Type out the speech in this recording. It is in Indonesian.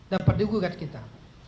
dapat digugat kita